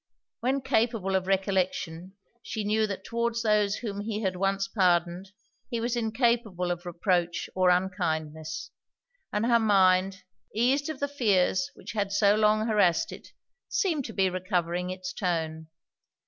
When capable of recollection, she knew that towards those whom he had once pardoned, he was incapable of reproach or unkindness; and her mind, eased of the fears which had so long harrassed it, seemed to be recovering it's tone.